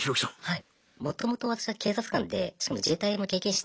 はい。